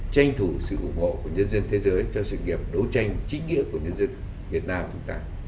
tranh thủ sự ủng hộ của nhân dân thế giới cho sự nghiệp đấu tranh chính nghĩa của nhân dân việt nam chúng ta